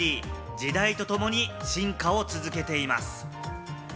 時代とともに進化を続けています。